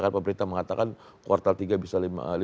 karena pemerintah mengatakan kuartal tiga bisa lima dua